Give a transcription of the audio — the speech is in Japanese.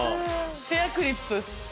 ヘアクリップ？